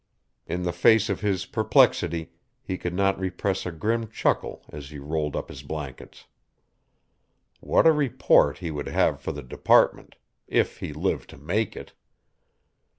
In the face of his perplexity he could not repress a grim chuckle as he rolled up his blankets. What a report he would have for the Department if he lived to make it!